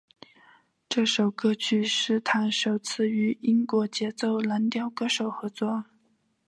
这首歌曲是他首次与英国节奏蓝调歌手合作。